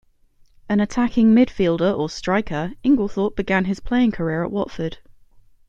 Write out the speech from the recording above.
An attacking midfielder or striker, Inglethorpe began his playing career at Watford.